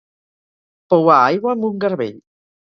Pouar aigua amb un garbell.